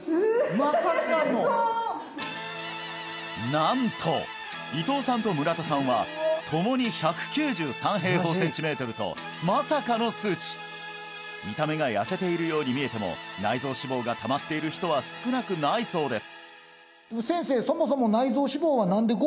まさかのなんと伊藤さんと村田さんは共に１９３ｃｍ^2とまさかの数値見た目が痩せているように見えても内臓脂肪がたまっている人は少なくないそうです